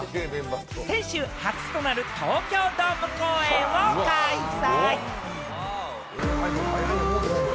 先週、初となる東京ドーム公演を開催。